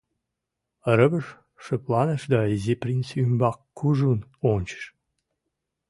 Рывыж шыпланыш да Изи принц ӱмбак кужун ончыш.